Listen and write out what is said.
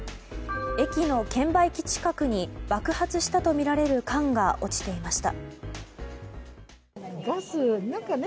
駅の券売機近くに爆発したとみられる缶が落ちていました。